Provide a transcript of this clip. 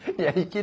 はい！